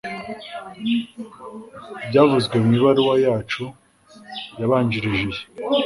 byavuzwe mu ibaruwa yacu yabanjirije iyi